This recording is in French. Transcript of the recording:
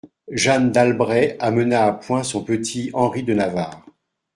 Jeanne d'Albret amena à point son petit Henri de Navarre.